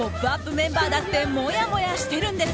メンバーだってもやもやしてるんです！